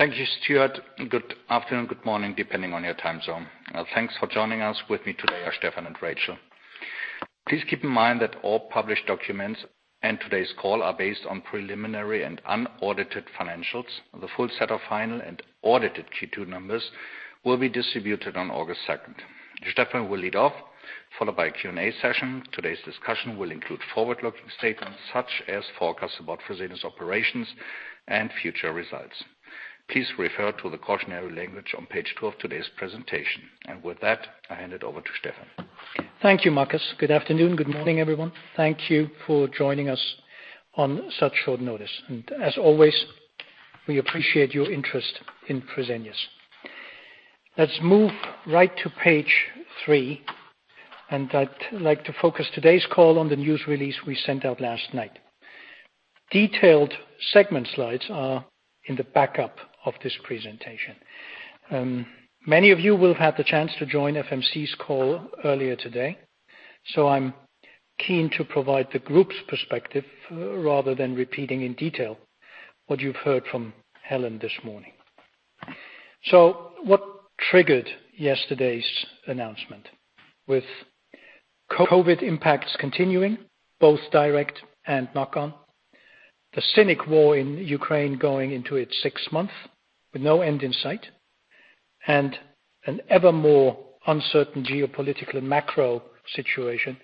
Thank you, Stuart. Good afternoon, good morning, depending on your time zone. Thanks for joining us. With me today are Stephan and Rachel. Please keep in mind that all published documents and today's call are based on preliminary and unaudited financials. The full set of final and audited Q2 numbers will be distributed on August 2nd. Stephan will lead off, followed by a Q&A session. Today's discussion will include forward-looking statements such as forecasts about Fresenius operations and future results. Please refer to the cautionary language on page two of today's presentation. With that, I hand it over to Stephan. Thank you, Marcus. Good afternoon, good morning, everyone. Thank you for joining us on such short notice. As always, we appreciate your interest in Fresenius. Let's move right to page three, and I'd like to focus today's call on the news release we sent out last night. Detailed segment slides are in the backup of this presentation. Many of you will have had the chance to join FMC's call earlier today, so I'm keen to provide the group's perspective rather than repeating in detail what you've heard from Helen this morning. What triggered yesterday's announcement? With COVID impacts continuing, both direct and knock-on, the war in Ukraine going into its sixth month with no end in sight, and an ever more uncertain geopolitical macro situation,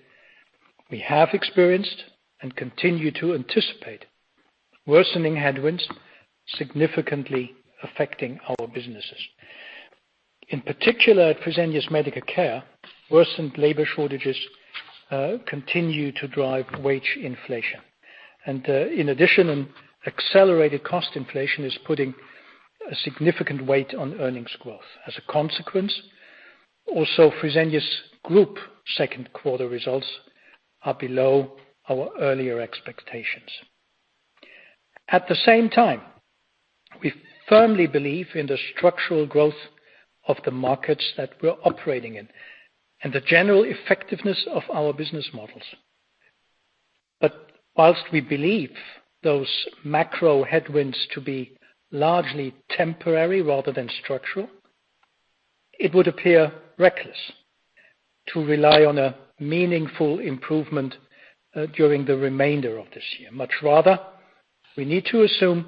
we have experienced and continue to anticipate worsening headwinds significantly affecting our businesses. In particular, Fresenius Medical Care's worsened labor shortages continue to drive wage inflation. In addition, accelerated cost inflation is putting a significant weight on earnings growth. As a consequence, also, Fresenius Group's Second Quarter Results are below our earlier expectations. At the same time, we firmly believe in the structural growth of the markets that we're operating in and the general effectiveness of our business models. Whilst we believe those macro headwinds to be largely temporary rather than structural, it would appear reckless to rely on a meaningful improvement during the remainder of this year. Much rather, we need to assume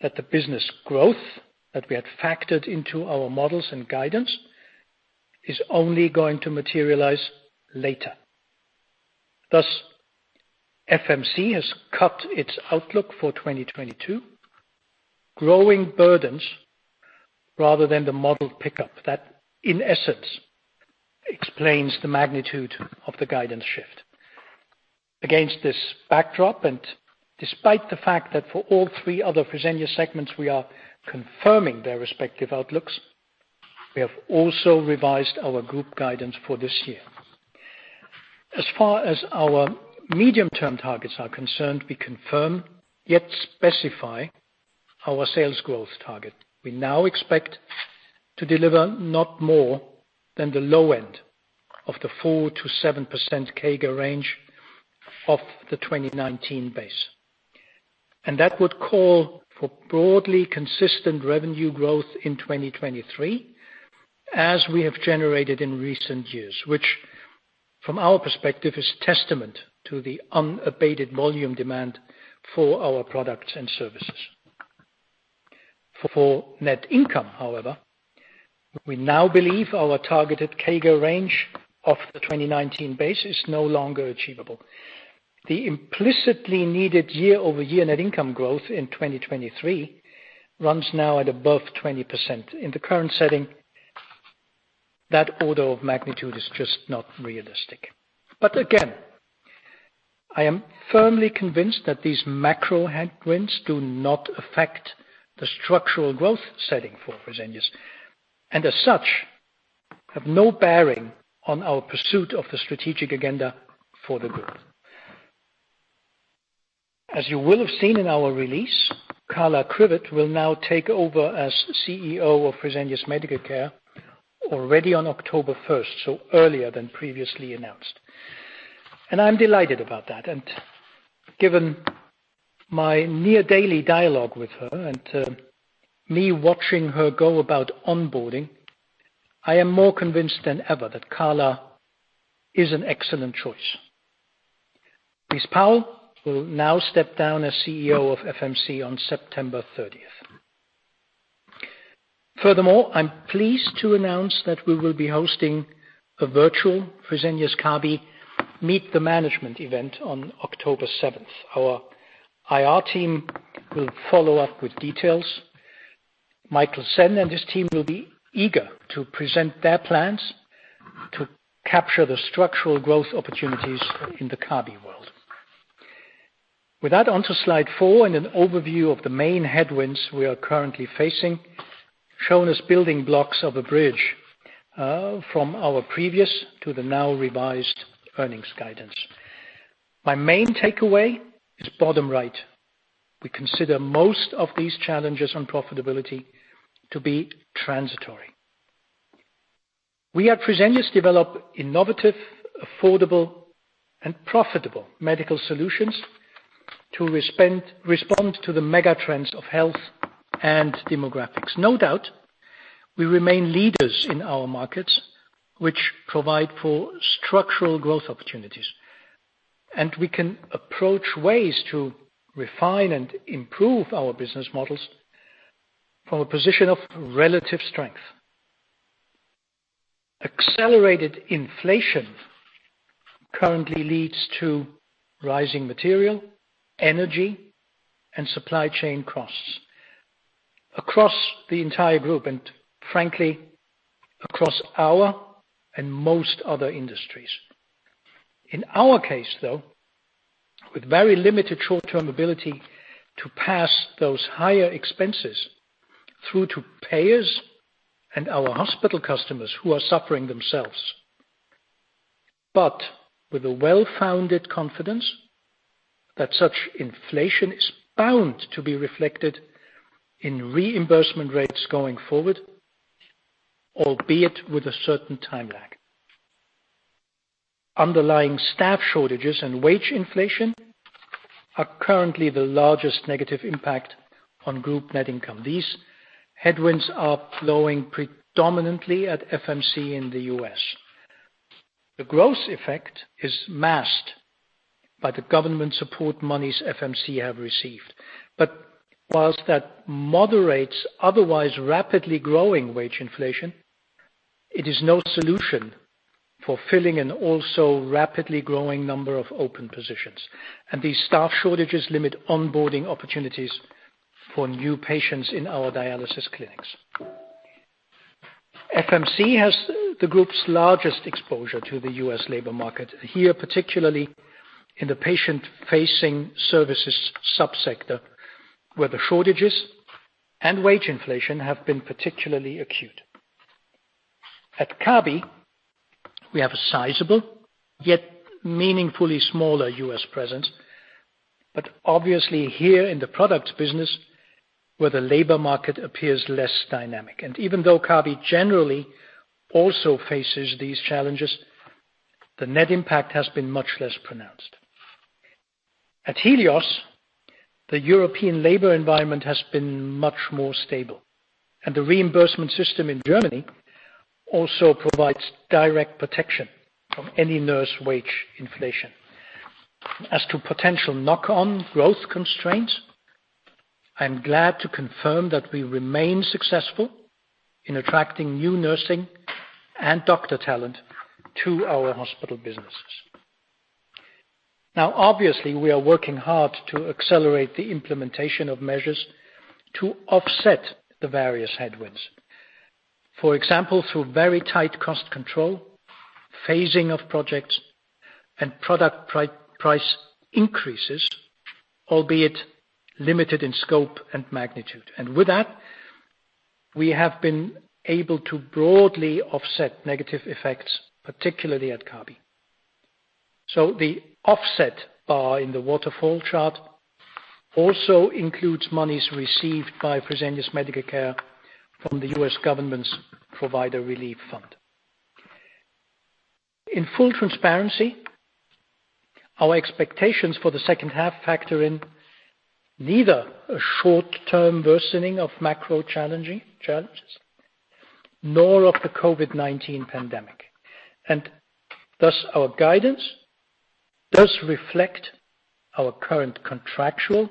that the business growth that we had factored into our models and guidance is only going to materialize later. Thus, FMC has cut its outlook for 2022, growing burdens rather than the model pickup that, in essence, explains the magnitude of the guidance shift. Against this backdrop, and despite the fact that for all three other Fresenius segments we are confirming their respective outlooks, we have also revised our group guidance for this year. As far as our medium-term targets are concerned, we confirm yet specify our sales growth target. We now expect to deliver not more than the low end of the 4-7% CAGR range of the 2019 base. That would call for broadly consistent revenue growth in 2023 as we have generated in recent years, which, from our perspective, is testament to the unabated volume demand for our products and services. For net income, however, we now believe our targeted CAGR range of the 2019 base is no longer achievable. The implicitly needed year-over-year net income growth in 2023 runs now at above 20%. In the current setting, that order of magnitude is just not realistic. I am firmly convinced that these macro headwinds do not affect the structural growth setting for Fresenius and, as such, have no bearing on our pursuit of the strategic agenda for the group. As you will have seen in our release, Carla Kriwet will now take over as CEO of Fresenius Medical Care already on October 1, so earlier than previously announced. I am delighted about that. Given my near-daily dialogue with her and me watching her go about onboarding, I am more convinced than ever that Carla is an excellent choice. Ms. Powell will now step down as CEO of Fresenius Medical Care on September 30. Furthermore, I am pleased to announce that we will be hosting a virtual Fresenius Kabi Meet the Management event on October 7. Our IR team will follow up with details. Michael Sen and his team will be eager to present their plans to capture the structural growth opportunities in the Kabi world. With that onto slide four and an overview of the main headwinds we are currently facing, shown as building blocks of a bridge from our previous to the now-revised earnings guidance. My main takeaway is bottom right. We consider most of these challenges on profitability to be transitory. We at Fresenius develop innovative, affordable, and profitable medical solutions to respond to the mega trends of health and demographics. No doubt, we remain leaders in our markets, which provide for structural growth opportunities. We can approach ways to refine and improve our business models from a position of relative strength. Accelerated inflation currently leads to rising material, energy, and supply chain costs across the entire group and, frankly, across our and most other industries. In our case, though, with very limited short-term ability to pass those higher expenses through to payers and our hospital customers who are suffering themselves, but with a well-founded confidence that such inflation is bound to be reflected in reimbursement rates going forward, albeit with a certain time lag. Underlying staff shortages and wage inflation are currently the largest negative impact on group net income. These headwinds are blowing predominantly at FMC in the U.S.. The growth effect is masked by the government support monies FMC have received. Whilst that moderates otherwise rapidly growing wage inflation, it is no solution for filling an also rapidly growing number of open positions. These staff shortages limit onboarding opportunities for new patients in our dialysis clinics. FMC has the group's largest exposure to the U.S. labor market, here particularly in the patient-facing services subsector, where the shortages and wage inflation have been particularly acute. At Kabi, we have a sizable yet meaningfully smaller U.S. presence, but obviously here in the product business where the labor market appears less dynamic. Even though Kabi generally also faces these challenges, the net impact has been much less pronounced. At Helios, the European labor environment has been much more stable. The reimbursement system in Germany also provides direct protection from any nurse wage inflation. As to potential knock-on growth constraints, I am glad to confirm that we remain successful in attracting new nursing and doctor talent to our hospital businesses. Obviously, we are working hard to accelerate the implementation of measures to offset the various headwinds. For example, through very tight cost control, phasing of projects, and product price increases, albeit limited in scope and magnitude. With that, we have been able to broadly offset negative effects, particularly at Kabi. The offset bar in the waterfall chart also includes monies received by Fresenius Medical Care from the U.S. government's provider relief fund. In full transparency, our expectations for the second half factor in neither a short-term worsening of macro challenges nor of the COVID-19 pandemic. Thus, our guidance does reflect our current contractual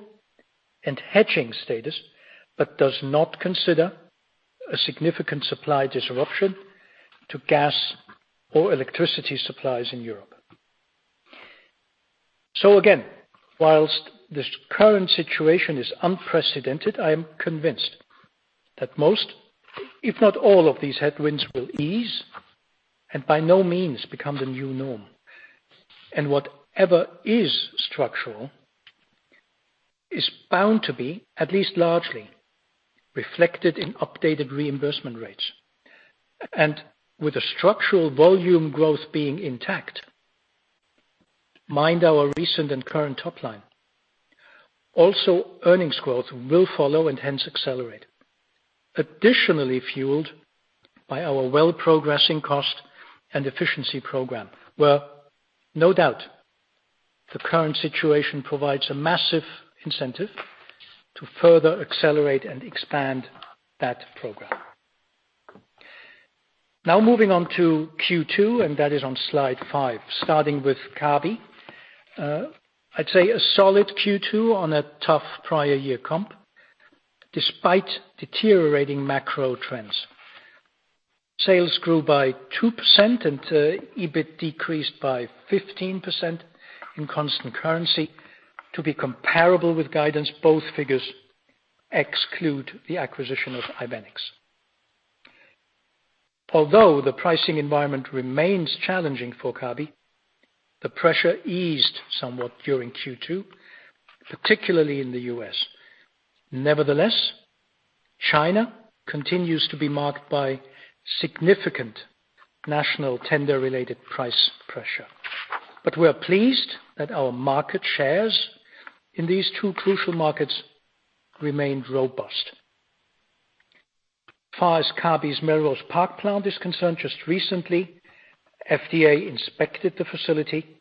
and hedging status but does not consider a significant supply disruption to gas or electricity supplies in Europe. Again, whilst this current situation is unprecedented, I am convinced that most, if not all, of these headwinds will ease and by no means become the new norm. Whatever is structural is bound to be, at least largely, reflected in updated reimbursement rates. With the structural volume growth being intact, mind our recent and current top line, also earnings growth will follow and hence accelerate, additionally fueled by our well-progressing cost and efficiency program, where no doubt the current situation provides a massive incentive to further accelerate and expand that program. Now moving on to Q2, and that is on slide five, starting with Kabi. I'd say a solid Q2 on a tough prior year comp despite deteriorating macro trends. Sales grew by 2% and EBIT decreased by 15% in constant currency to be comparable with guidance. Both figures exclude the acquisition of Ibinex. Although the pricing environment remains challenging for Kabi, the pressure eased somewhat during Q2, particularly in the U.S.. Nevertheless, China continues to be marked by significant national tender-related price pressure. We are pleased that our market shares in these two crucial markets remained robust. As far as Kabi's Melrose Park plant is concerned, just recently, FDA inspected the facility,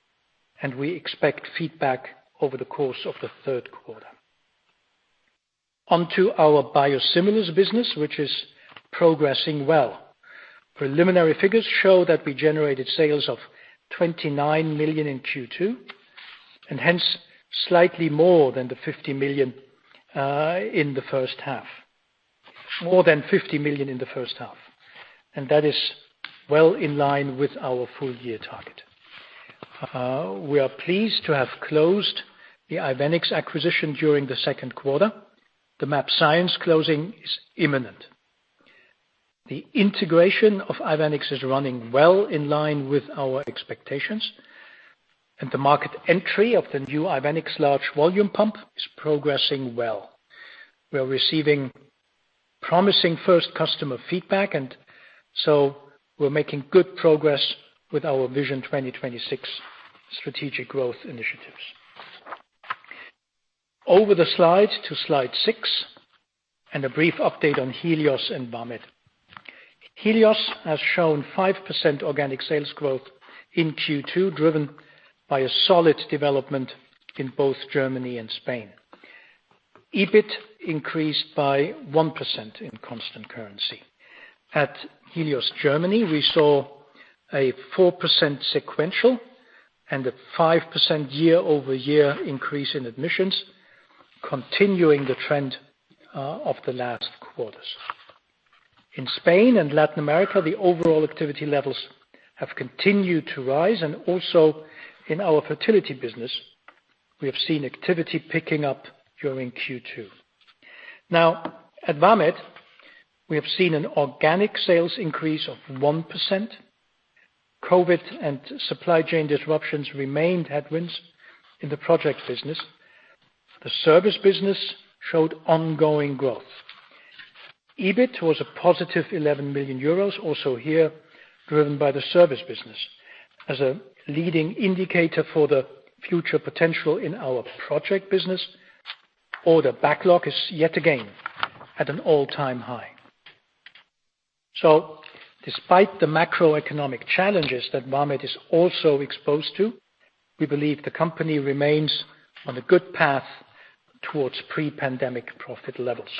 and we expect feedback over the course of the third quarter. Onto our biosimilars business, which is progressing well. Preliminary figures show that we generated sales of 29 million in Q2 and hence slightly more than 50 million in the first half, more than 50 million in the first half. That is well in line with our full-year target. We are pleased to have closed the Ibinex acquisition during the second quarter. The mAbxience closing is imminent. The integration of Ibinex is running well in line with our expectations, and the market entry of the new Ibinex large volume pump is progressing well. We're receiving promising first customer feedback, and so we're making good progress with our Vision 2026 strategic growth initiatives. Over the slide to slide six and a brief update on Helios and Valmet. Helios has shown 5% organic sales growth in Q2, driven by a solid development in both Germany and Spain. EBIT increased by 1% in constant currency. At Helios Germany, we saw a 4% sequential and a 5% year-over-year increase in admissions, continuing the trend of the last quarters. In Spain and Latin America, the overall activity levels have continued to rise. Also, in our fertility business, we have seen activity picking up during Q2. Now, at Valmet, we have seen an organic sales increase of 1%. COVID and supply chain disruptions remained headwinds in the project business. The service business showed ongoing growth. EBIT was a positive 11 million euros, also here driven by the service business as a leading indicator for the future potential in our project business. Order backlog is yet again at an all-time high. Despite the macroeconomic challenges that Valmet is also exposed to, we believe the company remains on a good path towards pre-pandemic profit levels.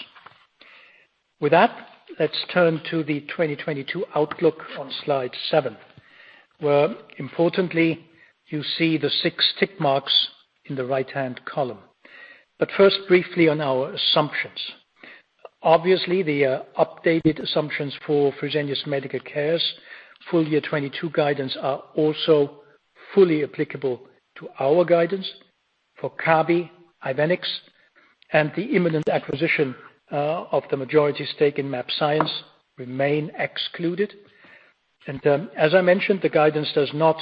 With that, let's turn to the 2022 outlook on slide seven, where importantly you see the six tick marks in the right-hand column. First, briefly on our assumptions. Obviously, the updated assumptions for Fresenius Medical Care's full-year 2022 guidance are also fully applicable to our guidance for Kabi, Ibinex, and the imminent acquisition of the majority stake in mAbxience remain excluded. As I mentioned, the guidance does not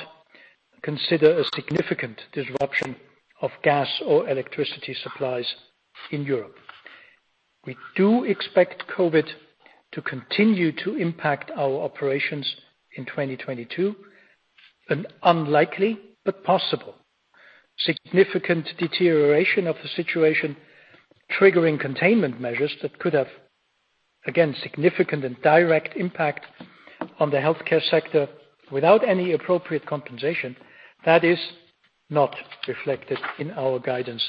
consider a significant disruption of gas or electricity supplies in Europe. We do expect COVID to continue to impact our operations in 2022, an unlikely but possible significant deterioration of the situation triggering containment measures that could have, again, significant and direct impact on the healthcare sector without any appropriate compensation. That is not reflected in our guidance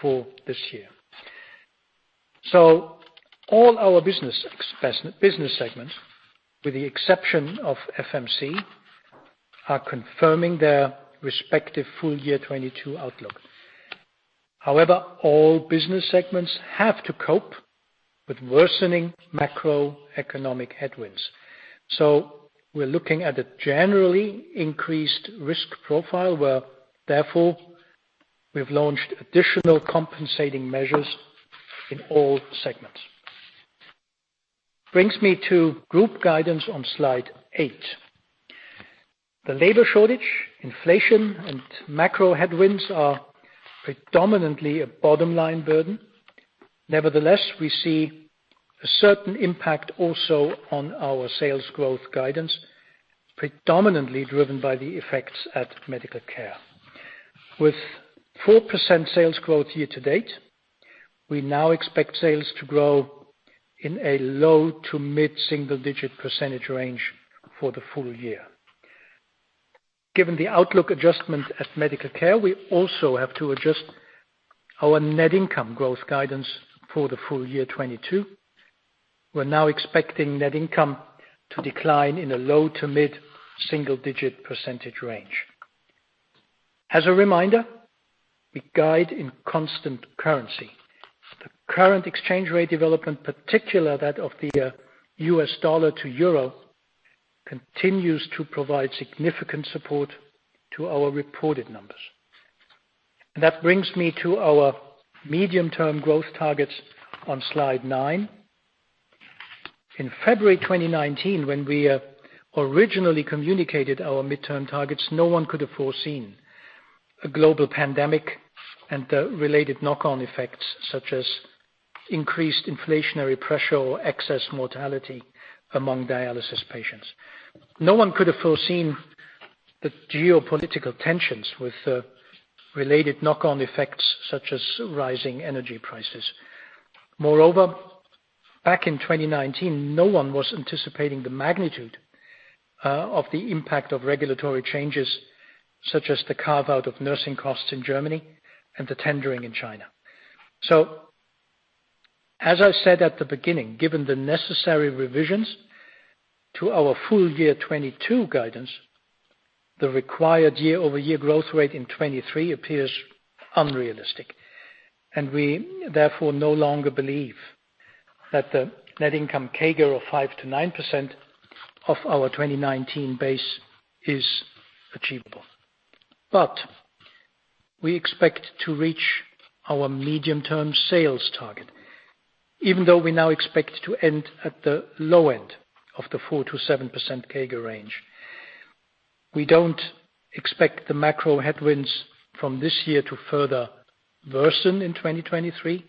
for this year. All our business segments, with the exception of FMC, are confirming their respective full-year 2022 outlook. However, all business segments have to cope with worsening macroeconomic headwinds. We are looking at a generally increased risk profile where, therefore, we have launched additional compensating measures in all segments. This brings me to group guidance on slide eight. The labor shortage, inflation, and macro headwinds are predominantly a bottom-line burden. Nevertheless, we see a certain impact also on our sales growth guidance, predominantly driven by the effects at medical care. With 4% sales growth year to date, we now expect sales to grow in a low to mid-single-digit percentage range for the full year. Given the outlook adjustment at Medical Care, we also have to adjust our net income growth guidance for the full-year 2022. We are now expecting net income to decline in a low to mid-single-digit percentage range. As a reminder, we guide in constant currency. The current exchange rate development, particularly that of the US dollar to euro, continues to provide significant support to our reported numbers. That brings me to our medium-term growth targets on slide nine. In February 2019, when we originally communicated our midterm targets, no one could have foreseen a global pandemic and the related knock-on effects such as increased inflationary pressure or excess mortality among dialysis patients. No one could have foreseen the geopolitical tensions with related knock-on effects such as rising energy prices. Moreover, back in 2019, no one was anticipating the magnitude of the impact of regulatory changes such as the carve-out of nursing costs in Germany and the tendering in China. As I said at the beginning, given the necessary revisions to our full-year 2022 guidance, the required year-over-year growth rate in 2023 appears unrealistic. We therefore no longer believe that the net income CAGR of 5-9% of our 2019 base is achievable. We expect to reach our medium-term sales target, even though we now expect to end at the low end of the 4-7% CAGR range. We do not expect the macro headwinds from this year to further worsen in 2023.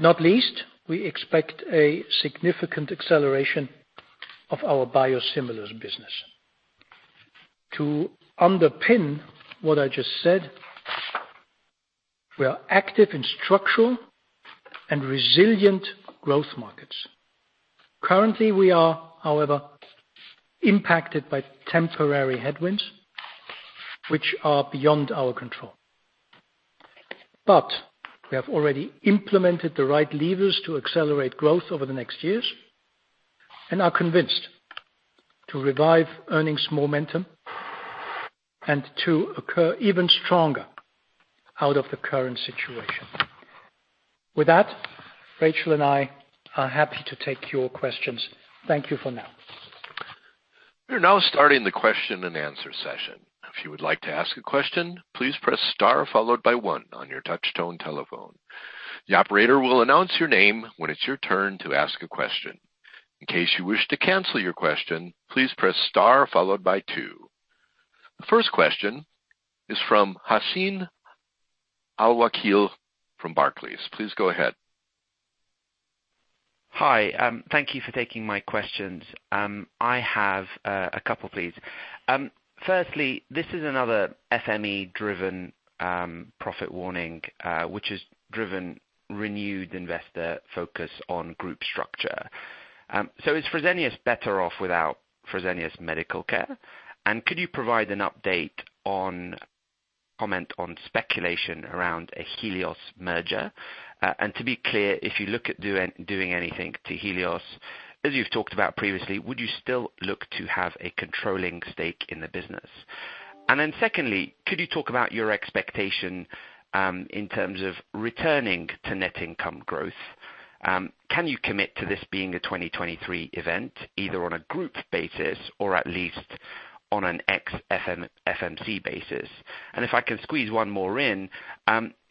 Not least, we expect a significant acceleration of our biosimilars business. To underpin what I just said, we are active in structural and resilient growth markets. Currently, we are, however, impacted by temporary headwinds, which are beyond our control. We have already implemented the right levers to accelerate growth over the next years and are convinced to revive earnings momentum and to occur even stronger out of the current situation. With that, Rachel and I are happy to take your questions. Thank you for now. We're now starting the question and answer session. If you would like to ask a question, please press star followed by one on your touchstone telephone. The operator will announce your name when it's your turn to ask a question. In case you wish to cancel your question, please press star followed by two. The first question is from Hassan Al-Wakeel from Barclays. Please go ahead. Hi. Thank you for taking my questions. I have a couple, please. Firstly, this is another FME-driven profit warning, which has driven renewed investor focus on group structure. Is Fresenius better off without Fresenius Medical Care? Could you provide an update or comment on speculation around a Helios merger? To be clear, if you look at doing anything to Helios, as you've talked about previously, would you still look to have a controlling stake in the business? Secondly, could you talk about your expectation in terms of returning to net income growth? Can you commit to this being a 2023 event, either on a group basis or at least on an ex-FMC basis? If I can squeeze one more in,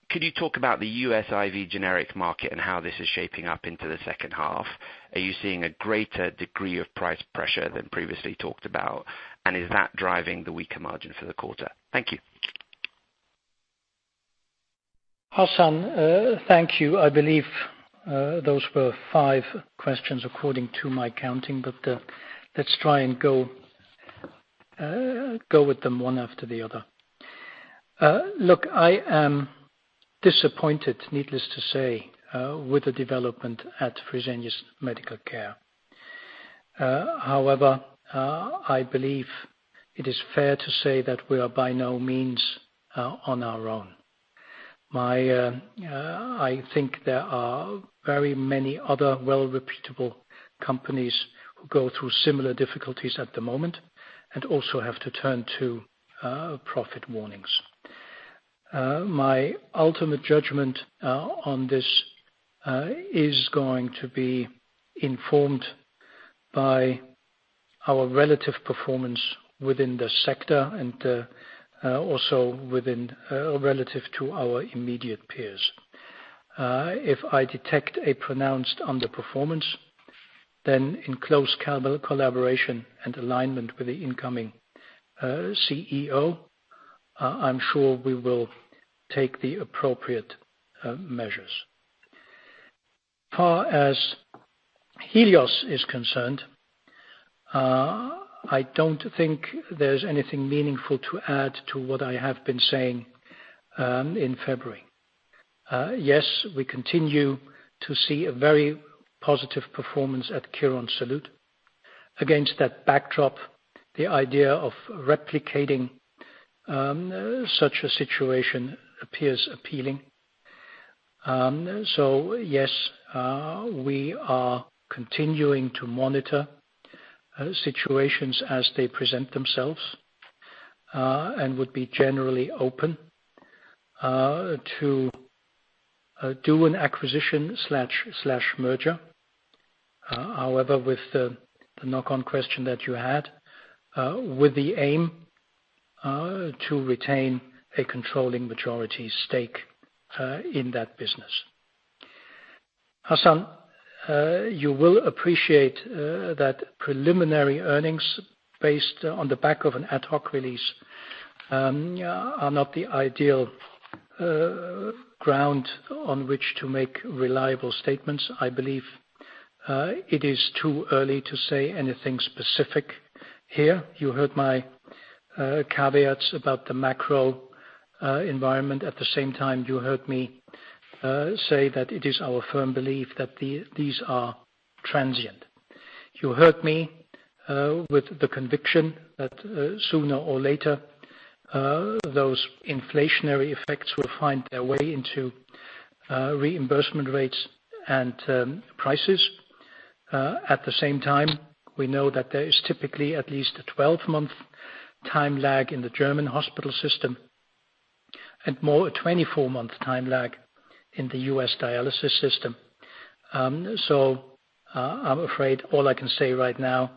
could you talk about the US IV generic market and how this is shaping up into the second half? Are you seeing a greater degree of price pressure than previously talked about? Is that driving the weaker margin for the quarter? Thank you. Hasan, thank you. I believe those were five questions according to my counting, but let's try and go with them one after the other. Look, I am disappointed, needless to say, with the development at Fresenius Medical Care. However, I believe it is fair to say that we are by no means on our own. I think there are very many other well-repeatable companies who go through similar difficulties at the moment and also have to turn to profit warnings. My ultimate judgment on this is going to be informed by our relative performance within the sector and also relative to our immediate peers. If I detect a pronounced underperformance, then in close collaboration and alignment with the incoming CEO, I'm sure we will take the appropriate measures. As far as Helios is concerned, I don't think there's anything meaningful to add to what I have been saying in February. Yes, we continue to see a very positive performance at Quirónsalud. Against that backdrop, the idea of replicating such a situation appears appealing. Yes, we are continuing to monitor situations as they present themselves and would be generally open to do an acquisition/merger, however, with the knock-on question that you had, with the aim to retain a controlling majority stake in that business. Hassan, you will appreciate that preliminary earnings based on the back of an ad hoc release are not the ideal ground on which to make reliable statements. I believe it is too early to say anything specific here. You heard my caveats about the macro environment. At the same time, you heard me say that it is our firm belief that these are transient. You heard me with the conviction that sooner or later those inflationary effects will find their way into reimbursement rates and prices. At the same time, we know that there is typically at least a 12-month time lag in the German hospital system and more a 24-month time lag in the US dialysis system. I'm afraid all I can say right now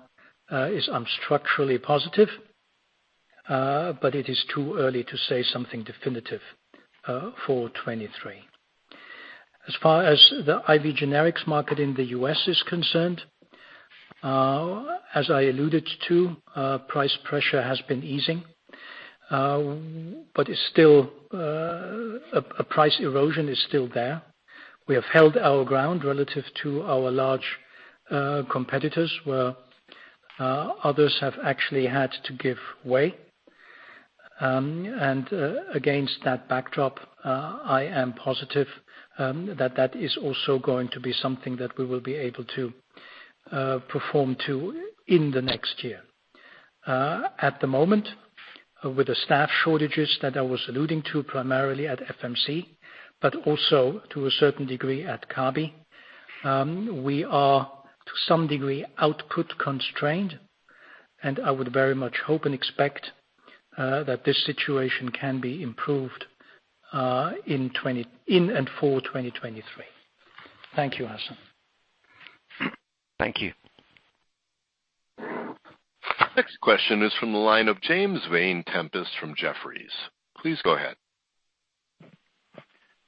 is I'm structurally positive, but it is too early to say something definitive for 2023. As far as the IV generics market in the U.S. is concerned, as I alluded to, price pressure has been easing, but a price erosion is still there. We have held our ground relative to our large competitors where others have actually had to give way. Against that backdrop, I am positive that that is also going to be something that we will be able to perform to in the next year. At the moment, with the staff shortages that I was alluding to primarily at FMC, but also to a certain degree at Kabi, we are to some degree output constrained. I would very much hope and expect that this situation can be improved in and for 2023. Thank you, Hassan. Thank you. Next question is from the line of James Vane-Tempest from Jefferies. Please go ahead.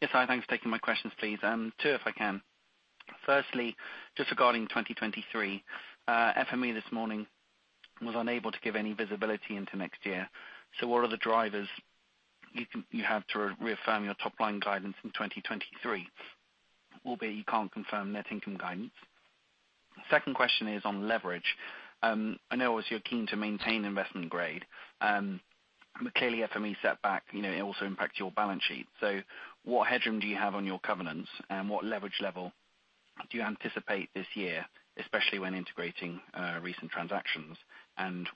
Yes, hi. Thanks for taking my questions, please. Two, if I can. Firstly, just regarding 2023, FME this morning was unable to give any visibility into next year. What are the drivers you have to reaffirm your top-line guidance in 2023, albeit you cannot confirm net income guidance? Second question is on leverage. I know you're keen to maintain investment grade, but clearly FME setback, it also impacts your balance sheet. What headroom do you have on your covenants? What leverage level do you anticipate this year, especially when integrating recent transactions?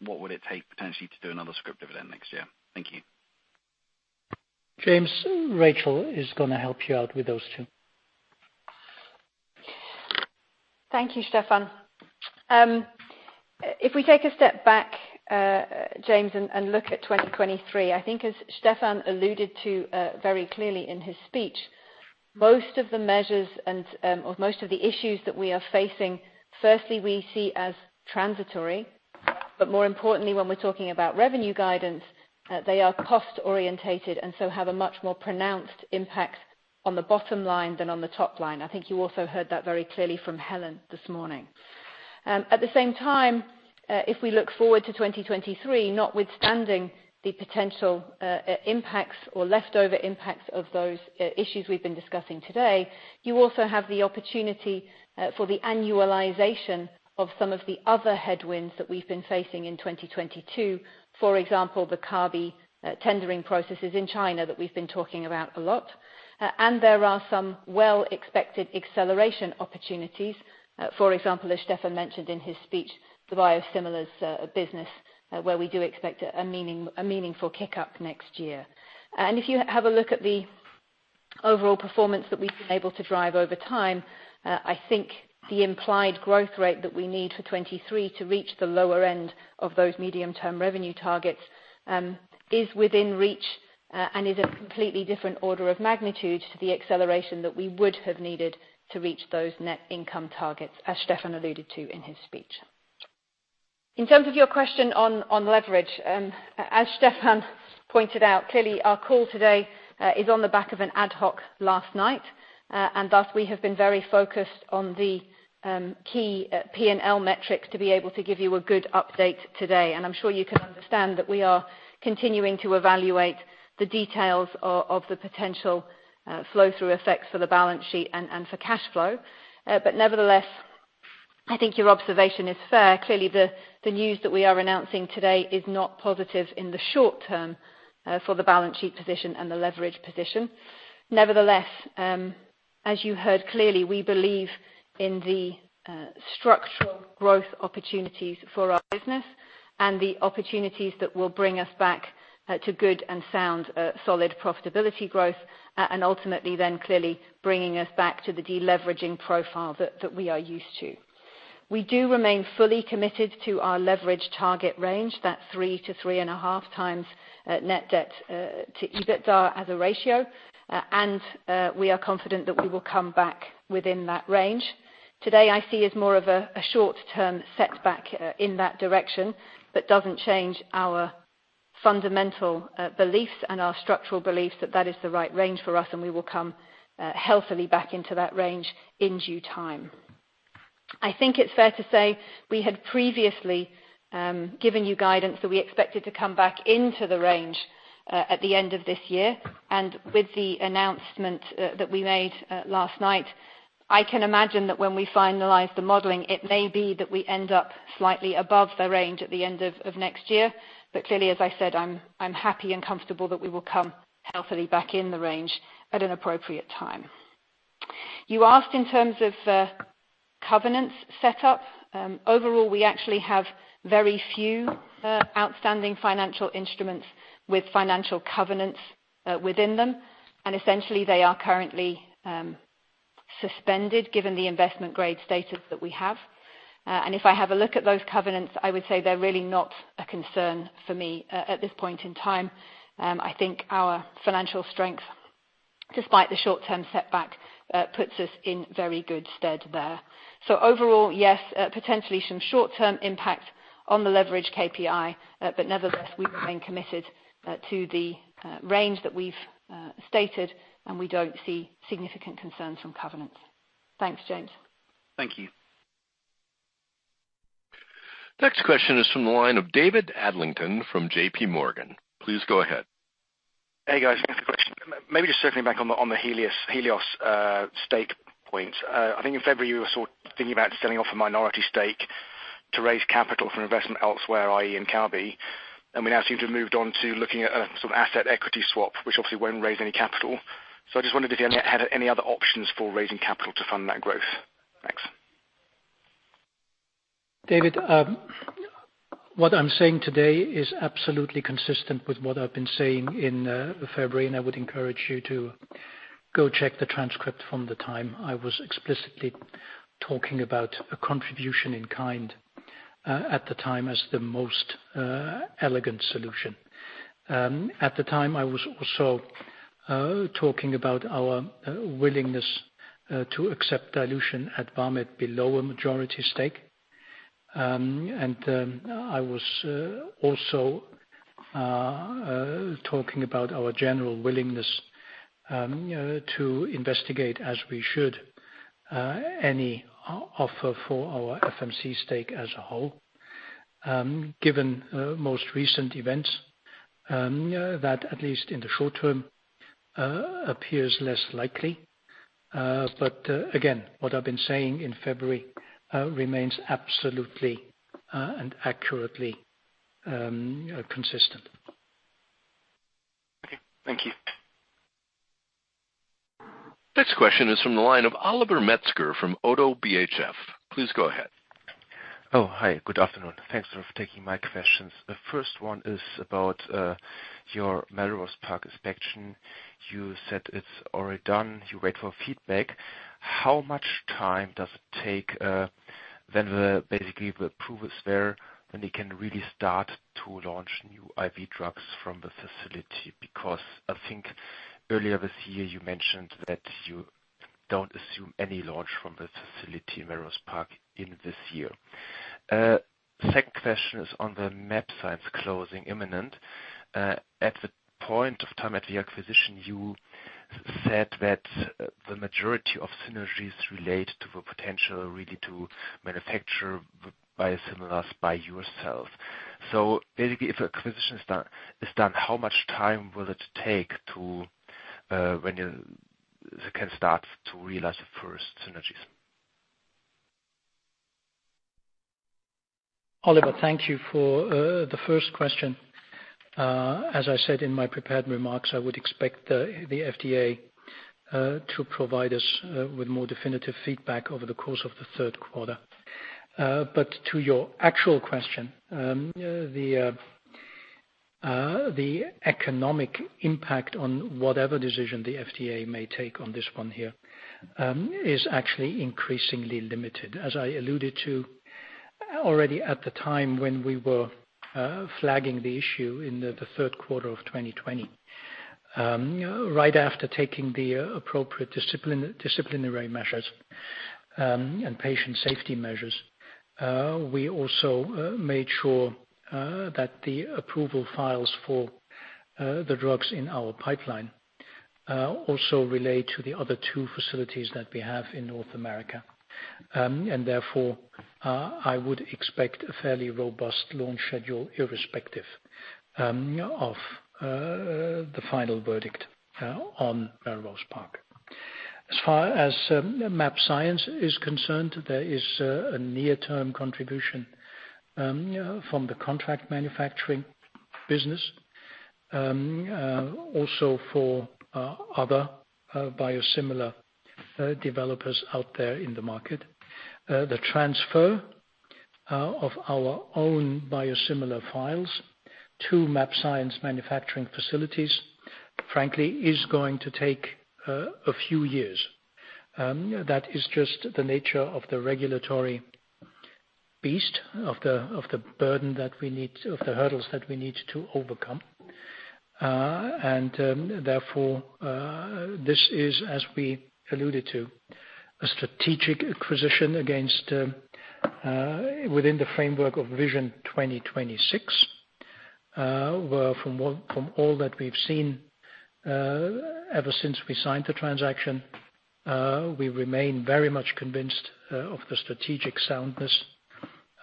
What would it take potentially to do another script dividend next year? Thank you. James, Rachel is going to help you out with those two. Thank you, Stephan. If we take a step back, James, and look at 2023, I think as Stephan alluded to very clearly in his speech, most of the measures and most of the issues that we are facing, firstly, we see as transitory. More importantly, when we're talking about revenue guidance, they are cost-orientated and have a much more pronounced impact on the bottom line than on the top line. I think you also heard that very clearly from Helen this morning. At the same time, if we look forward to 2023, notwithstanding the potential impacts or leftover impacts of those issues we've been discussing today, you also have the opportunity for the annualization of some of the other headwinds that we've been facing in 2022. For example, the Kabi tendering processes in China that we've been talking about a lot. There are some well-expected acceleration opportunities. For example, as Stephan mentioned in his speech, the biosimilars business, where we do expect a meaningful kick-up next year. If you have a look at the overall performance that we've been able to drive over time, I think the implied growth rate that we need for 2023 to reach the lower end of those medium-term revenue targets is within reach and is a completely different order of magnitude to the acceleration that we would have needed to reach those net income targets, as Stephan alluded to in his speech. In terms of your question on leverage, as Stephan pointed out, clearly our call today is on the back of an ad hoc last night. Thus, we have been very focused on the key P&L metrics to be able to give you a good update today. I'm sure you can understand that we are continuing to evaluate the details of the potential flow-through effects for the balance sheet and for cash flow. Nevertheless, I think your observation is fair. Clearly, the news that we are announcing today is not positive in the short term for the balance sheet position and the leverage position. Nevertheless, as you heard clearly, we believe in the structural growth opportunities for our business and the opportunities that will bring us back to good and sound solid profitability growth and ultimately then clearly bringing us back to the deleveraging profile that we are used to. We do remain fully committed to our leverage target range, that three to three and a half times net debt to EBITDA as a ratio. We are confident that we will come back within that range. Today, I see as more of a short-term setback in that direction, but does not change our fundamental beliefs and our structural beliefs that that is the right range for us and we will come healthily back into that range in due time. I think it is fair to say we had previously given you guidance that we expected to come back into the range at the end of this year. With the announcement that we made last night, I can imagine that when we finalize the modeling, it may be that we end up slightly above the range at the end of next year. Clearly, as I said, I am happy and comfortable that we will come healthily back in the range at an appropriate time. You asked in terms of covenants setup. Overall, we actually have very few outstanding financial instruments with financial covenants within them. Essentially, they are currently suspended given the investment grade status that we have. If I have a look at those covenants, I would say they're really not a concern for me at this point in time. I think our financial strength, despite the short-term setback, puts us in very good stead there. Overall, yes, potentially some short-term impact on the leverage KPI, but nevertheless, we remain committed to the range that we've stated and we do not see significant concerns from covenants. Thanks, James. Thank you. Next question is from the line of David Adlington from JPMorgan. Please go ahead. Hey, guys. Thanks for the question. Maybe just circling back on the Helios stake points. I think in February, we were sort of thinking about selling off a minority stake to raise capital for investment elsewhere, i.e., in Kabi. We now seem to have moved on to looking at some asset equity swap, which obviously will not raise any capital. I just wondered if you had any other options for raising capital to fund that growth. Thanks. David, what I am saying today is absolutely consistent with what I have been saying in February, and I would encourage you to go check the transcript from the time. I was explicitly talking about a contribution in kind at the time as the most elegant solution. At the time, I was also talking about our willingness to accept dilution at Valmet below a majority stake. I was also talking about our general willingness to investigate, as we should, any offer for our FMC stake as a whole, given most recent events that, at least in the short term, appear less likely. What I've been saying in February remains absolutely and accurately consistent. Thank you. Thank you. Next question is from the line of Oliver Metzger from ODDO BHF. Please go ahead. Oh, hi. Good afternoon. Thanks for taking my questions. The first one is about your Melrose Park inspection. You said it's already done. You wait for feedback. How much time does it take when basically the approval is there, when you can really start to launch new IV drugs from the facility? Because I think earlier this year, you mentioned that you don't assume any launch from the facility in Melrose Park in this year. Second question is on the mAbience closing imminent. At the point of time at the acquisition, you said that the majority of synergies relate to the potential really to manufacture biosimilars by yourself. If acquisition is done, how much time will it take when you can start to realize the first synergies? Oliver, thank you for the first question. As I said in my prepared remarks, I would expect the FDA to provide us with more definitive feedback over the course of the third quarter. To your actual question, the economic impact on whatever decision the FDA may take on this one here is actually increasingly limited. As I alluded to already at the time when we were flagging the issue in the third quarter of 2020, right after taking the appropriate disciplinary measures and patient safety measures, we also made sure that the approval files for the drugs in our pipeline also relate to the other two facilities that we have in North America. I would expect a fairly robust launch schedule irrespective of the final verdict on Melrose Park. As far as mAbxience is concerned, there is a near-term contribution from the contract manufacturing business, also for other biosimilar developers out there in the market. The transfer of our own biosimilar files to mAbxience manufacturing facilities, frankly, is going to take a few years. That is just the nature of the regulatory beast, of the burden that we need, of the hurdles that we need to overcome. This is, as we alluded to, a strategic acquisition within the framework of Vision 2026. From all that we've seen ever since we signed the transaction, we remain very much convinced of the strategic soundness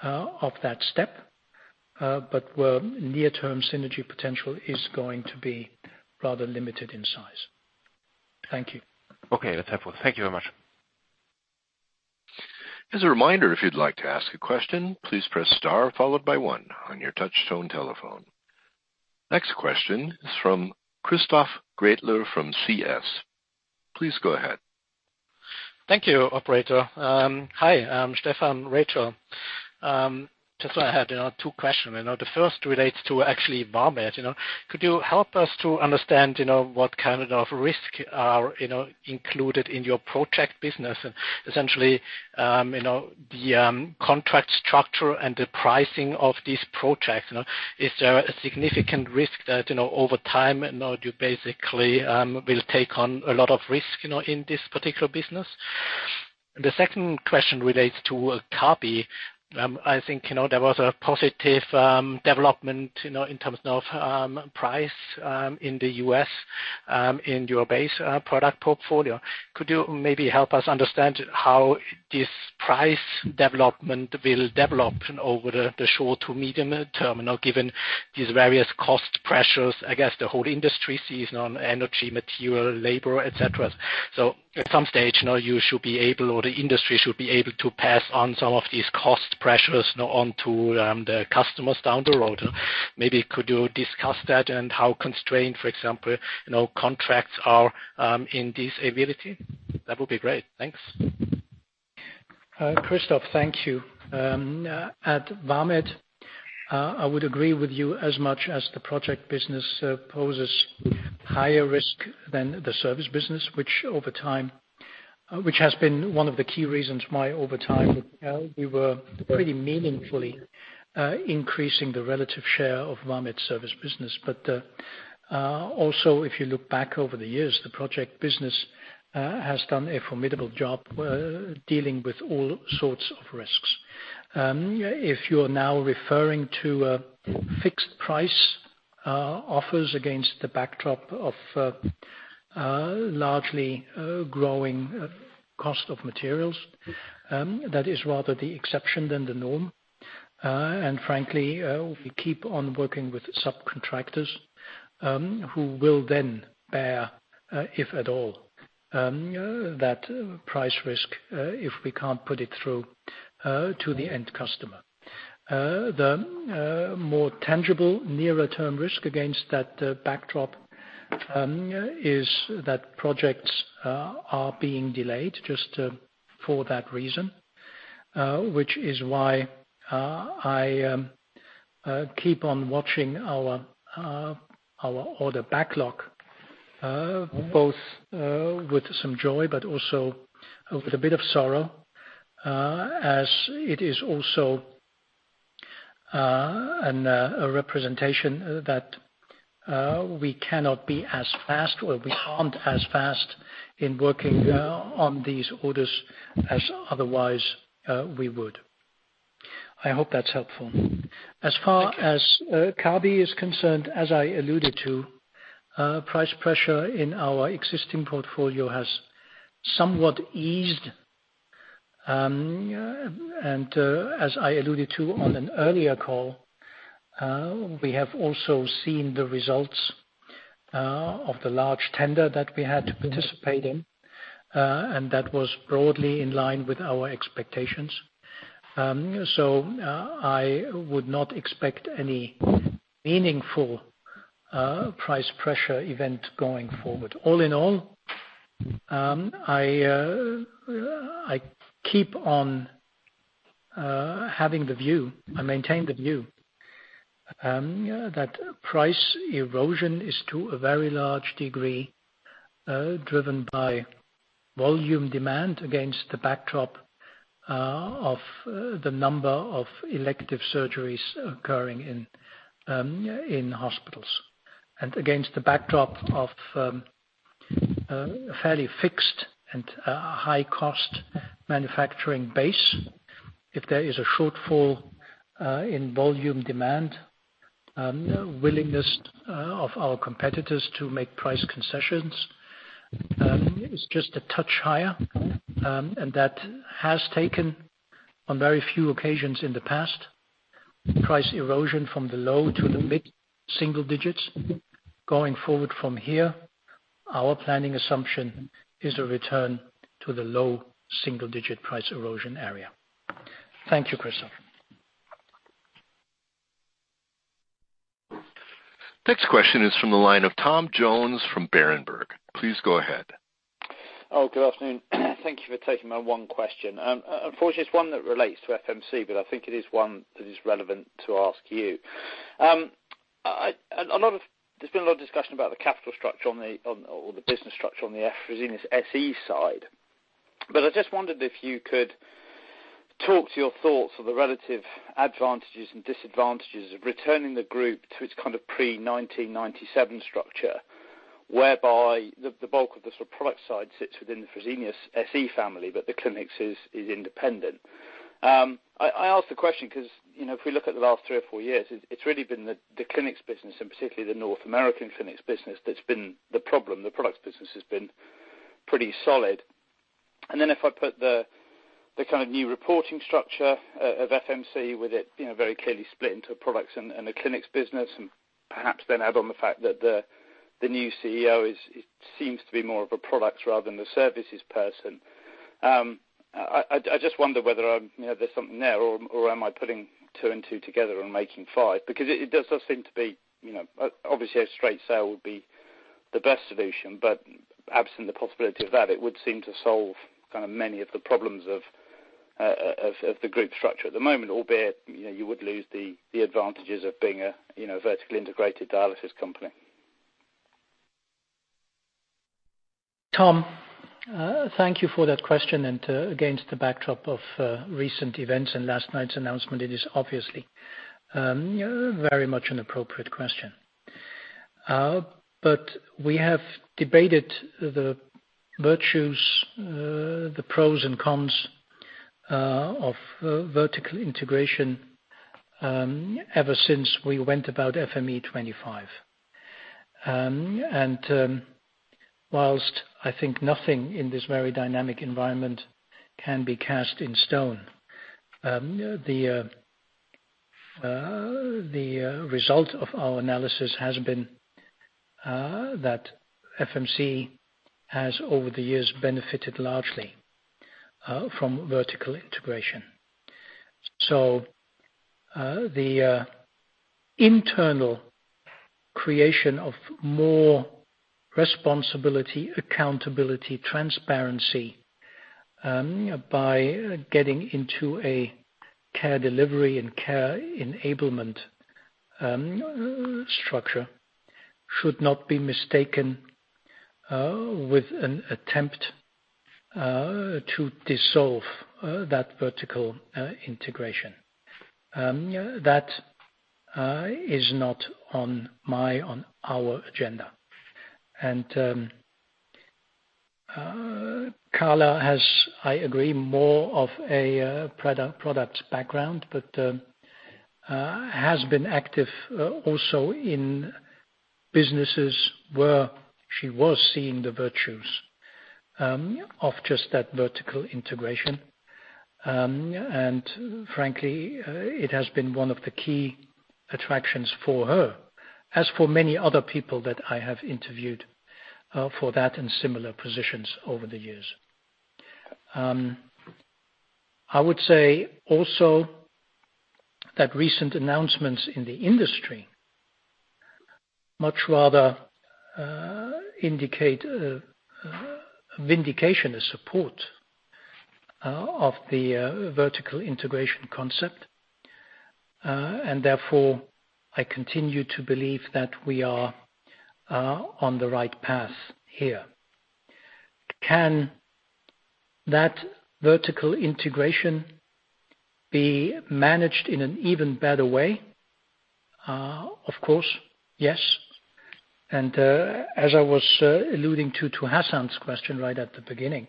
of that step. Where near-term synergy potential is going to be rather limited in size. Thank you. Okay. That's helpful. Thank you very much. As a reminder, if you'd like to ask a question, please press star followed by one on your touchstone telephone. Next question is from Christoph Gretler from CS. Please go ahead. Thank you, Operator. Hi. I'm Stephan Rachel. Just want to add two questions. The first relates to actually Valmet. Could you help us to understand what kind of risk are included in your project business? Essentially, the contract structure and the pricing of these projects. Is there a significant risk that over time, you basically will take on a lot of risk in this particular business? The second question relates to Kabi. I think there was a positive development in terms of price in the U.S. in your base product portfolio. Could you maybe help us understand how this price development will develop over the short to medium term, given these various cost pressures against the whole industry season on energy, material, labor, etc.? At some stage, you should be able, or the industry should be able to pass on some of these cost pressures onto the customers down the road. Maybe could you discuss that and how constrained, for example, contracts are in this ability? That would be great. Thanks. Christoph, thank you. I would agree with you as much as the project business poses higher risk than the service business, which over time, which has been one of the key reasons why over time we were pretty meaningfully increasing the relative share of the service business. If you look back over the years, the project business has done a formidable job dealing with all sorts of risks. If you are now referring to fixed price offers against the backdrop of largely growing cost of materials, that is rather the exception than the norm. Frankly, we keep on working with subcontractors who will then bear, if at all, that price risk if we cannot put it through to the end customer. The more tangible nearer-term risk against that backdrop is that projects are being delayed just for that reason, which is why I keep on watching our order backlog, both with some joy but also with a bit of sorrow, as it is also a representation that we cannot be as fast or we are not as fast in working on these orders as otherwise we would. I hope that is helpful. As far as Kabi is concerned, as I alluded to, price pressure in our existing portfolio has somewhat eased. As I alluded to on an earlier call, we have also seen the results of the large tender that we had to participate in, and that was broadly in line with our expectations. I would not expect any meaningful price pressure event going forward. All in all, I keep on having the view. I maintain the view that price erosion is to a very large degree driven by volume demand against the backdrop of the number of elective surgeries occurring in hospitals and against the backdrop of a fairly fixed and high-cost manufacturing base. If there is a shortfall in volume demand, willingness of our competitors to make price concessions is just a touch higher. That has taken on very few occasions in the past, price erosion from the low to the mid single digits. Going forward from here, our planning assumption is a return to the low single-digit price erosion area. Thank you, Christoph. Next question is from the line of Tom Jones from Berenberg. Please go ahead. Good afternoon. Thank you for taking my one question. Unfortunately, it's one that relates to FMC, but I think it is one that is relevant to ask you. There's been a lot of discussion about the capital structure or the business structure on the Fresenius SE side. I just wondered if you could talk to your thoughts of the relative advantages and disadvantages of returning the group to its kind of pre-1997 structure, whereby the bulk of the sort of product side sits within the Fresenius SE family, but the clinics is independent. I ask the question because if we look at the last three or four years, it's really been the clinics business, and particularly the North American clinics business, that's been the problem. The products business has been pretty solid. If I put the kind of new reporting structure of FMC with it very clearly split into products and the clinics business, and perhaps then add on the fact that the new CEO seems to be more of a products rather than a services person, I just wonder whether there's something there or am I putting two and two together and making five? Because it does seem to be obviously, a straight sale would be the best solution. Absent the possibility of that, it would seem to solve kind of many of the problems of the group structure at the moment, albeit you would lose the advantages of being a vertically integrated dialysis company. Tom, thank you for that question. Against the backdrop of recent events and last night's announcement, it is obviously very much an appropriate question. We have debated the virtues, the pros and cons of vertical integration ever since we went about FME 2025. Whilst I think nothing in this very dynamic environment can be cast in stone, the result of our analysis has been that FMC has over the years benefited largely from vertical integration. The internal creation of more responsibility, accountability, transparency by getting into a care delivery and care enablement structure should not be mistaken with an attempt to dissolve that vertical integration. That is not on our agenda. Carla has, I agree, more of a product background, but has been active also in businesses where she was seeing the virtues of just that vertical integration. Frankly, it has been one of the key attractions for her, as for many other people that I have interviewed for that and similar positions over the years. I would say also that recent announcements in the industry much rather indicate vindication of support of the vertical integration concept. Therefore, I continue to believe that we are on the right path here. Can that vertical integration be managed in an even better way? Of course, yes. As I was alluding to Hassan's question right at the beginning,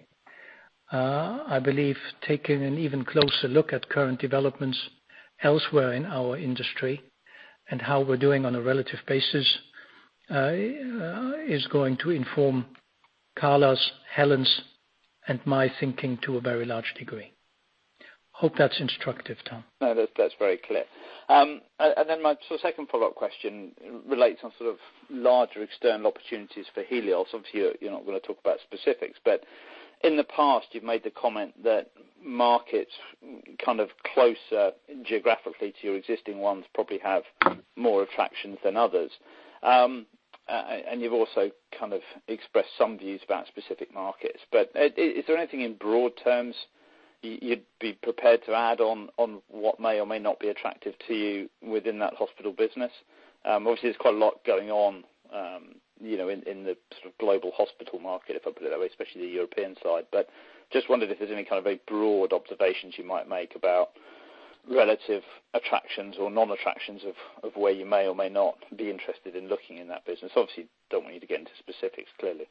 I believe taking an even closer look at current developments elsewhere in our industry and how we're doing on a relative basis is going to inform Carla's, Helen's, and my thinking to a very large degree. Hope that's instructive, Tom. That's very clear. My sort of second follow-up question relates on sort of larger external opportunities for Helios. Obviously, you're not going to talk about specifics. In the past, you've made the comment that markets kind of closer geographically to your existing ones probably have more attractions than others. You've also kind of expressed some views about specific markets. Is there anything in broad terms you'd be prepared to add on what may or may not be attractive to you within that hospital business? Obviously, there's quite a lot going on in the sort of global hospital market, if I put it that way, especially the European side. I just wondered if there's any kind of very broad observations you might make about relative attractions or non-attractions of where you may or may not be interested in looking in that business. Obviously, I don't want you to get into specifics, clearly.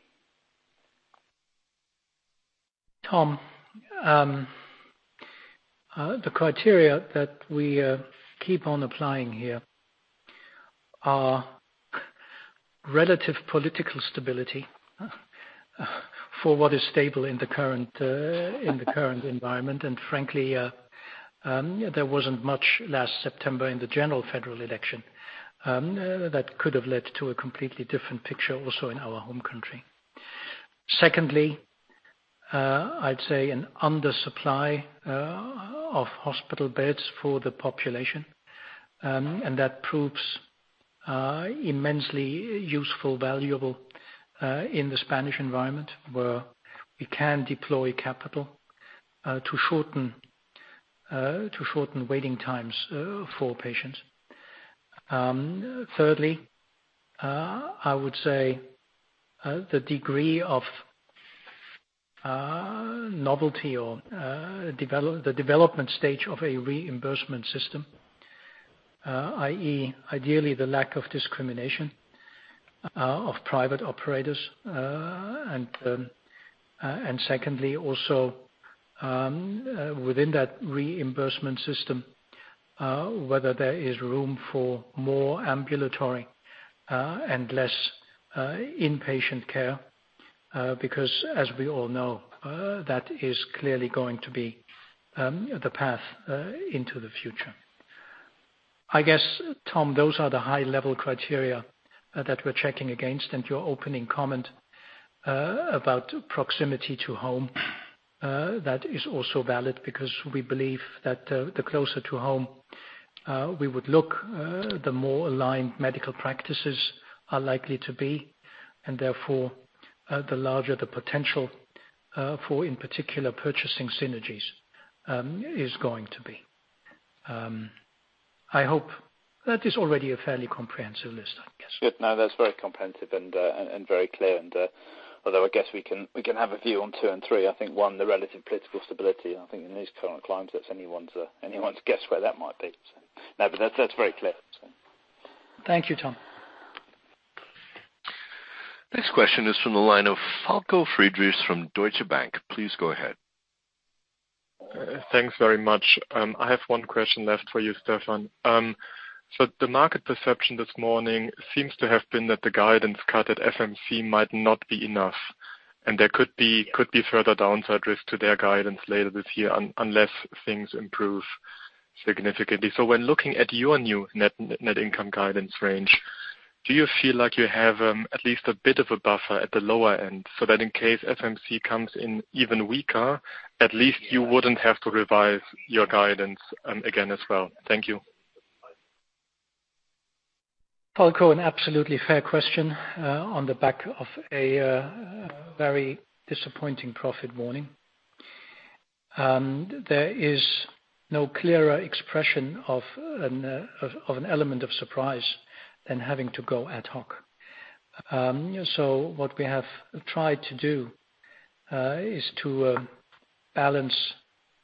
Tom, the criteria that we keep on applying here are relative political stability for what is stable in the current environment. Frankly, there wasn't much last September in the general federal election that could have led to a completely different picture also in our home country. Secondly, I'd say an undersupply of hospital beds for the population. That proves immensely useful, valuable in the Spanish environment where we can deploy capital to shorten waiting times for patients. Thirdly, I would say the degree of novelty or the development stage of a reimbursement system, i.e., ideally the lack of discrimination of private operators. Secondly, also within that reimbursement system, whether there is room for more ambulatory and less inpatient care, because as we all know, that is clearly going to be the path into the future. I guess, Tom, those are the high-level criteria that we're checking against. Your opening comment about proximity to home, that is also valid because we believe that the closer to home we would look, the more aligned medical practices are likely to be. Therefore, the larger the potential for, in particular, purchasing synergies is going to be. I hope that is already a fairly comprehensive list, I guess. Good. No, that's very comprehensive and very clear. Although I guess we can have a view on two and three, I think one, the relative political stability. I think in these current climes, that's anyone's guess where that might be. No, but that's very clear. Thank you, Tom. Next question is from the line of Falco Friedrichs from Deutsche Bank. Please go ahead. Thanks very much. I have one question left for you, Stefan. The market perception this morning seems to have been that the guidance cut at FMC might not be enough. There could be further downside risk to their guidance later this year unless things improve significantly. When looking at your new net income guidance range, do you feel like you have at least a bit of a buffer at the lower end so that in case FMC comes in even weaker, at least you would not have to revise your guidance again as well? Thank you. Falco, an absolutely fair question on the back of a very disappointing profit warning. There is no clearer expression of an element of surprise than having to go ad hoc. What we have tried to do is to balance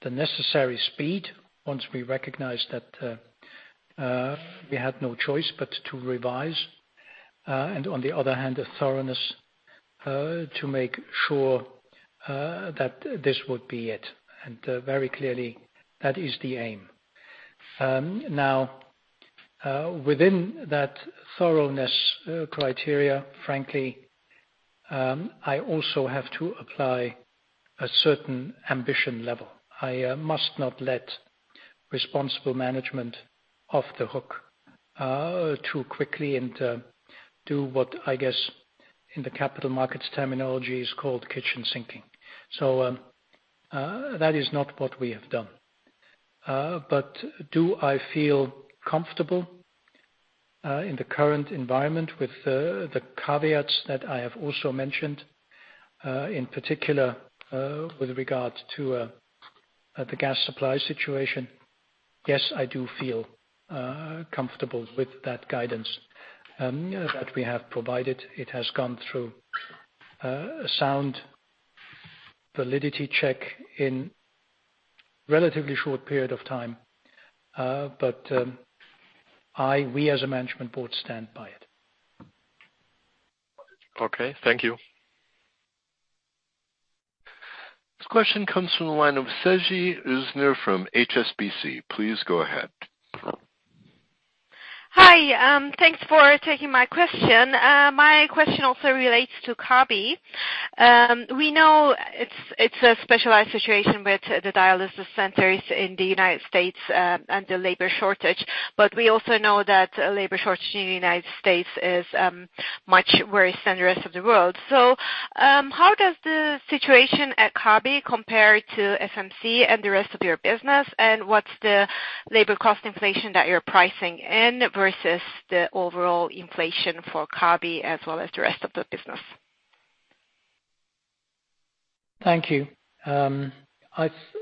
the necessary speed once we recognize that we had no choice but to revise. On the other hand, a thoroughness to make sure that this would be it. Very clearly, that is the aim. Now, within that thoroughness criteria, frankly, I also have to apply a certain ambition level. I must not let responsible management off the hook too quickly and do what, I guess, in the capital markets terminology is called kitchen sinking. That is not what we have done. Do I feel comfortable in the current environment with the caveats that I have also mentioned, in particular with regard to the gas supply situation? Yes, I do feel comfortable with that guidance that we have provided. It has gone through a sound validity check in a relatively short period of time. We, as a management board, stand by it. Okay. Thank you. This question comes from the line of Sezgi Oezener from HSBC. Please go ahead. Hi. Thanks for taking my question. My question also relates to Kabi. We know it's a specialized situation with the dialysis centers in the United States and the labor shortage. We also know that labor shortage in the United States is much worse than the rest of the world. How does the situation at Kabi compare to FMC and the rest of your business? What's the labor cost inflation that you're pricing in versus the overall inflation for Kabi as well as the rest of the business? Thank you.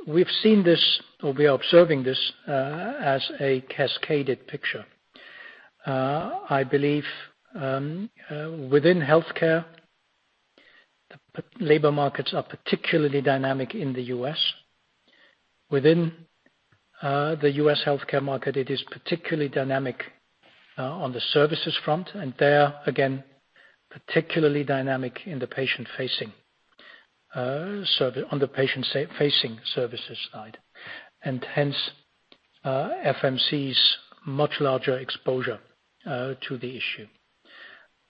We've seen this or we are observing this as a cascaded picture. I believe within healthcare, labor markets are particularly dynamic in the U.S.. Within the U.S. healthcare market, it is particularly dynamic on the services front. There, again, it is particularly dynamic in the patient-facing services side. Hence, FMC's much larger exposure to the issue.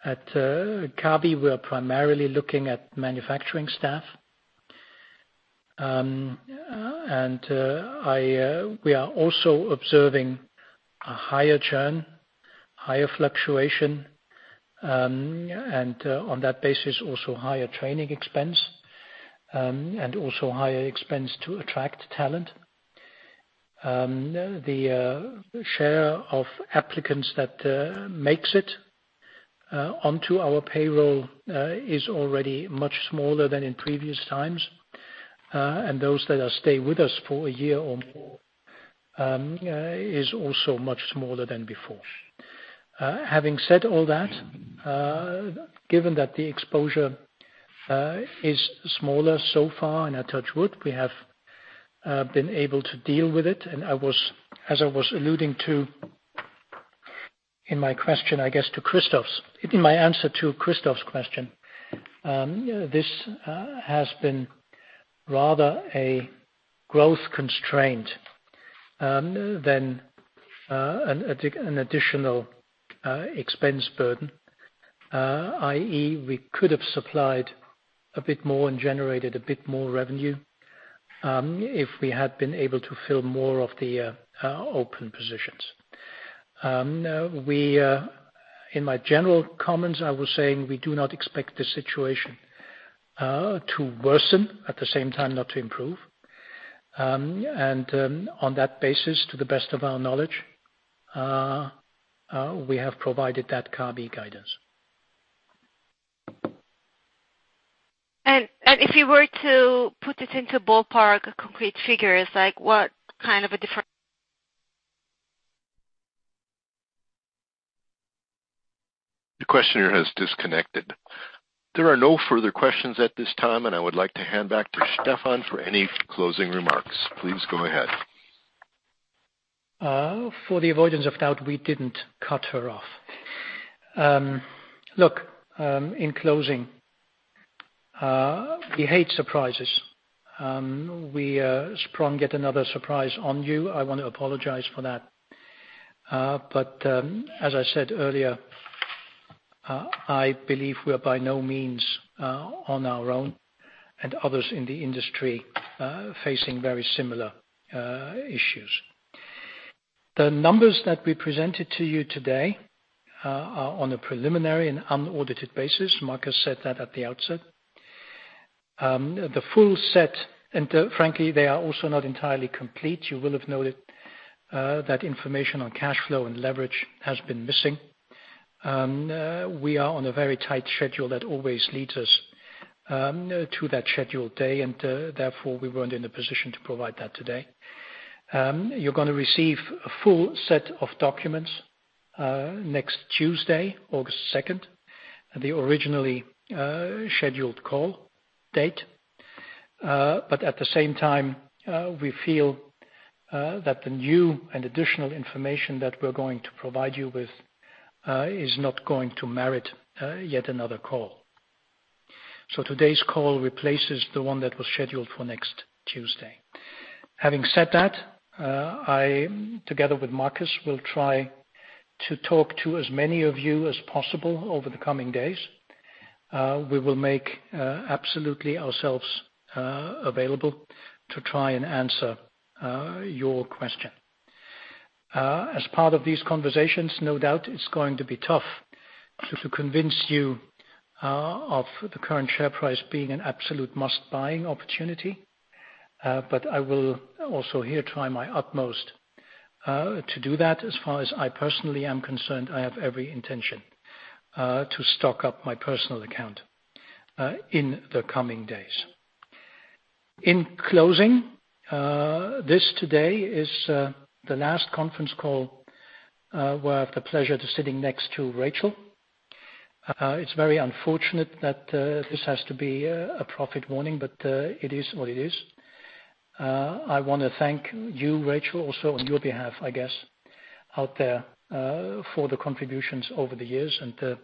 At Kabi, we are primarily looking at manufacturing staff. We are also observing a higher churn, higher fluctuation, and on that basis, also higher training expense and also higher expense to attract talent. The share of applicants that makes it onto our payroll is already much smaller than in previous times. Those that stay with us for a year or more is also much smaller than before. Having said all that, given that the exposure is smaller so far, and I touch wood, we have been able to deal with it. As I was alluding to in my answer to Christoph's question, this has been rather a growth constraint than an additional expense burden, i.e., we could have supplied a bit more and generated a bit more revenue if we had been able to fill more of the open positions. In my general comments, I was saying we do not expect this situation to worsen, at the same time, not to improve. On that basis, to the best of our knowledge, we have provided that Kabi guidance. If you were to put it into ballpark, concrete figures, what kind of a different? The questioner has disconnected. There are no further questions at this time, and I would like to hand back to Stephan for any closing remarks. Please go ahead. For the avoidance of doubt, we did not cut her off. Look, in closing, we hate surprises. We sprung yet another surprise on you. I want to apologize for that. As I said earlier, I believe we are by no means on our own and others in the industry are facing very similar issues. The numbers that we presented to you today are on a preliminary and unaudited basis. Marcus said that at the outset. The full set and frankly, they are also not entirely complete. You will have noted that information on cash flow and leverage has been missing. We are on a very tight schedule that always leads us to that scheduled day. Therefore, we were not in a position to provide that today. You are going to receive a full set of documents next Tuesday, August 2nd, the originally scheduled call date. At the same time, we feel that the new and additional information that we are going to provide you with is not going to merit yet another call. Today's call replaces the one that was scheduled for next Tuesday. Having said that, I, together with Marcus, will try to talk to as many of you as possible over the coming days. We will make absolutely ourselves available to try and answer your question. As part of these conversations, no doubt it's going to be tough to convince you of the current share price being an absolute must-buying opportunity. I will also here try my utmost to do that. As far as I personally am concerned, I have every intention to stock up my personal account in the coming days. In closing, this today is the last conference call where I have the pleasure of sitting next to Rachel. It's very unfortunate that this has to be a profit warning, but it is what it is. I want to thank you, Rachel, also on your behalf, I guess, out there for the contributions over the years and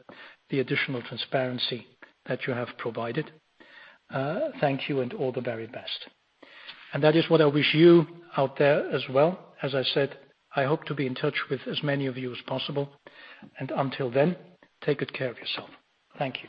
the additional transparency that you have provided. Thank you and all the very best. That is what I wish you out there as well. As I said, I hope to be in touch with as many of you as possible. Until then, take good care of yourself. Thank you.